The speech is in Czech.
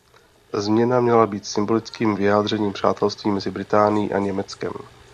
Změna měla být symbolickým vyjádřením přátelství mezi Británií a Německem.